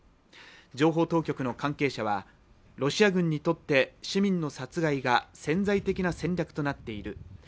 情報当局の関係者は「ロシア軍にとって市民の殺害が潜在的な戦略となっている。